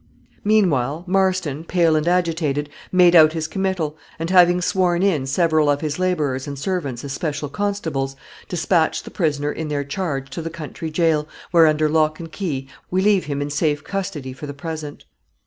Meanwhile Marston, pale and agitated, made out his committal, and having sworn in several of his laborers and servants as special constables, dispatched the prisoner in their charge to the county gaol, where, under lock and key, we leave him in safe custody for the present.